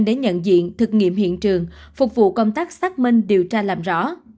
bệnh viện thực nghiệm hiện trường phục vụ công tác xác minh điều tra làm rõ